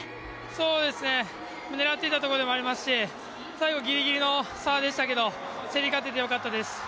そうですね、狙っていたところでもありますし最後、ギリギリの差でしたけど競り勝てて良かったです。